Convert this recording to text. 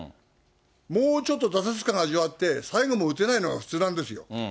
もうちょっと挫折感味わって、最後も打てないのが普通なんですよ。